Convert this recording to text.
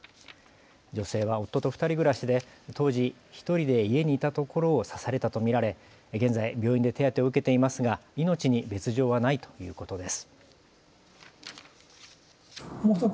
女性は夫と２人暮らしで当時、１人で家にいたところを刺されたと見られ現在、病院で手当てを受けていますが命に別状はないということです。